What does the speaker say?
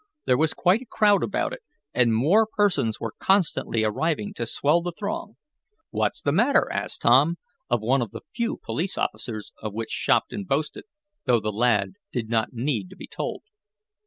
There was quite a crowd about it, and more persons were constantly arriving to swell the throng. "What's the matter?" asked Tom, of one of the few police officers of which Shopton boasted, though the lad did not need to be told.